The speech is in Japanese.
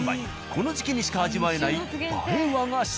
この時期にしか味わえない映え和菓子。